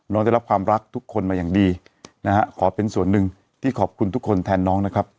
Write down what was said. ได้รับความรักทุกคนมาอย่างดีนะฮะขอเป็นส่วนหนึ่งที่ขอบคุณทุกคนแทนน้องนะครับ